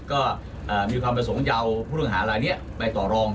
ก็มีความประสงค์จะเอาผู้ต้องหารายนี้ไปต่อรอง